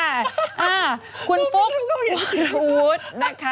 อ้าวคุณฟุกวรวุฒินะคะ